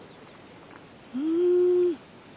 うん。